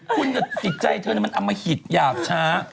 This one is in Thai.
คุณจิตใจเธอนั้นมันเอามาหิดหยาบช้า